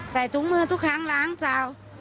ใส่ทุกมือทุกครั้งล้างเศร้า